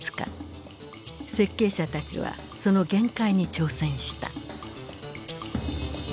設計者たちはその限界に挑戦した。